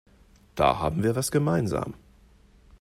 Da haben wir was gemeinsam.